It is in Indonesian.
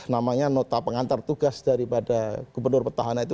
namanya nota pengantar tugas daripada gubernur petahana itu